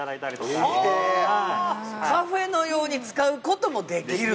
カフェのように使うこともできるという。